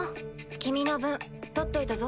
君の分取っといたぞ。